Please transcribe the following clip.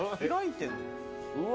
うわ。